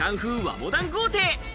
モダン豪邸。